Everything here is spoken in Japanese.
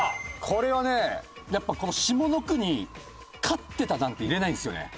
これはねやっぱこの下の句に「飼ってた」なんて入れないんですよね。